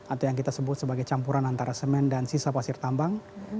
atau yang kita sebut sebagai campuran antara semen dan sisa pasir tambang